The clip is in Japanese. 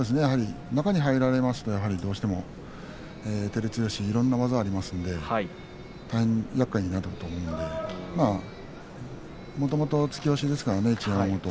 中に入られますとどうしても照強いろんな技がありますので大変やっかいになると思うのでもともと突き押しですからね一山本。